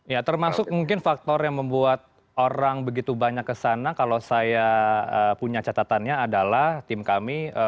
ya termasuk mungkin faktor yang membuat orang begitu banyak kesana kalau saya punya catatannya adalah tim kami